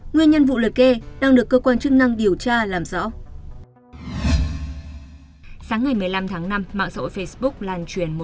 nguyên nhân vụ lật ghe đang được cơ quan chức năng điều tra làm rõ